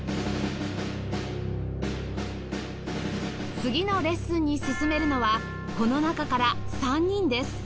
次のレッスンに進めるのはこの中から３人です